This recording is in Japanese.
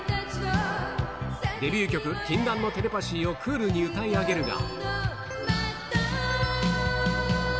デビュー曲、禁断のテレパシーをクールに歌い上げるが。